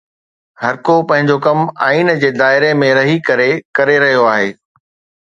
هر ڪو پنهنجو ڪم آئين جي دائري ۾ رهي ڪري ڪري رهيو آهي.